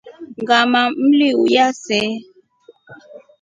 Ngʼama wliuya see.